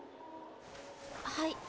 はい。